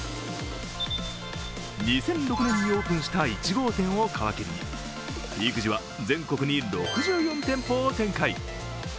２００６年にオープンした１号店を皮切りにピーク時は全国に６４店舗を展開。